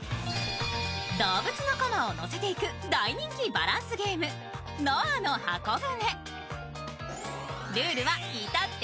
動物のコマをのせていく大人気バランスゲーム、「ノアの箱舟」。